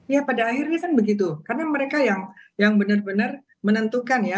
ya pada akhirnya kan begitu karena mereka yang benar benar menentukan ya